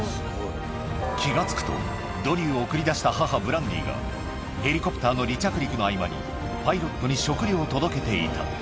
気が付くと、ドリューを送り出した母、ブランディが、ヘリコプターの離着陸の合間にパイロットに食料を届けていた。